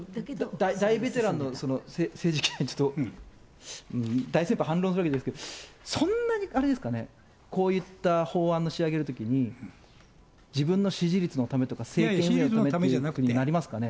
大ベテランの政治記者の、大先輩、反論するわけじゃないですけど、そんなにあれですかね、こういった法案を仕上げるときに、自分の支持率のためとか、政党のためとかっていうふうになりますかね。